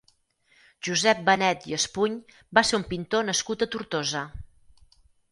Josep Benet i Espuny va ser un pintor nascut a Tortosa.